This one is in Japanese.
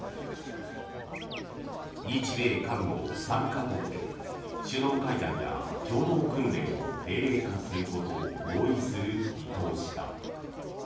日米韓の３か国で首脳会談や共同訓練を定例化することを合意する見通しだ。